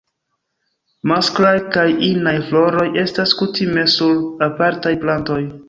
Masklaj kaj inaj floroj estas kutime sur apartaj plantoj.